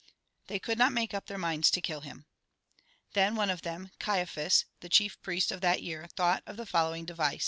They could not make up their minds to kill him. Then one of them, Caiaphas, the chief priest of that year, thought of the following device.